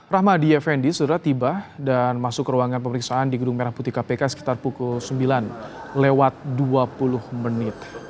rahmadi effendi sudah tiba dan masuk ke ruangan pemeriksaan di gedung merah putih kpk sekitar pukul sembilan lewat dua puluh menit